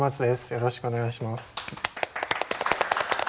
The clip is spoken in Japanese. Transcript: よろしくお願いします。